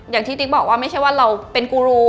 ติ๊กบอกว่าไม่ใช่ว่าเราเป็นกูรู